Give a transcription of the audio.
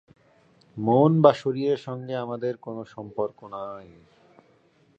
মন বা শরীরের সঙ্গে আমাদের কোন সম্পর্ক নাই।